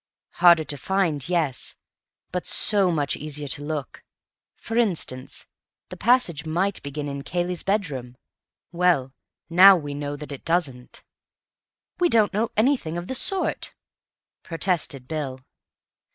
"Harder to find, yes, but so much easier to look. For instance, the passage might begin in Cayley's bedroom. Well, now we know that it doesn't." "We don't know anything of the sort," protested Bill.